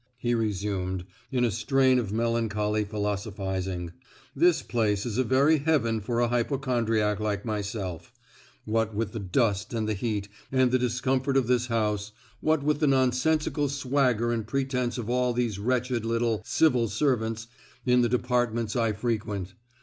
he resumed, in a strain of melancholy philosophizing; "this place is a very heaven for a hypochondriac like myself, what with the dust and the heat, and the discomfort of this house, what with the nonsensical swagger and pretence of all these wretched little 'civil servants' in the departments I frequent!